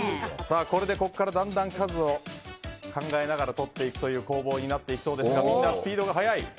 これでここからだんだん数を考えながら取っていくという攻防になりますが皆さん、スピードが速い。